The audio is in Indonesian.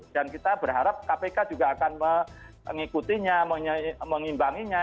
dan kita berharap kpk juga akan mengikutinya mengimbanginya